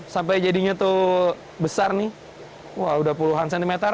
sampai jadinya tuh besar nih wah udah puluhan cm